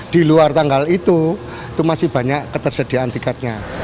di luar tanggal itu itu masih banyak ketersediaan tiketnya